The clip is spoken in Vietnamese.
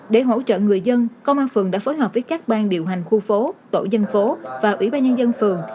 để hỗ trợ người dân công an phường đã phối hợp với các bang điều hành khu phố tổ dân phố và ủy ban nhân dân phường